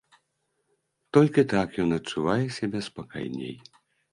Толькі так ён адчувае сябе спакайней.